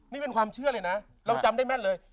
นี่เป็นความเชื่อเลยนะเราจำได้แม่นเลย